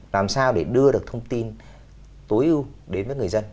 làm sao để đưa được thông tin tối ưu đến với người dân